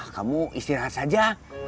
kamu istirahat saja